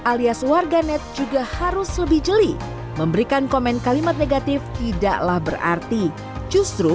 alias warganet juga harus lebih jeli memberikan komen kalimat negatif tidaklah berarti justru